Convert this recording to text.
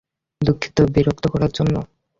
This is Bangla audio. দুঃখিত বিরক্ত করার জন্য!